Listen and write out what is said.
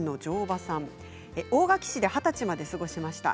大垣市で二十歳まで過ごしました。